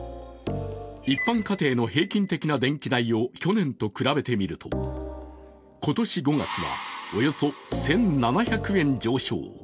一般家庭の平均的な電気代を去年と比べてみると今年５月は、およそ１７００円上昇。